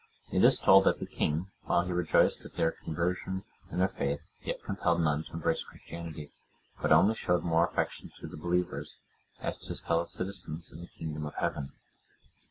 It is told that the king, while he rejoiced at their conversion and their faith, yet compelled none to embrace Christianity, but only showed more affection to the believers, as to his fellow citizens in the kingdom of Heaven.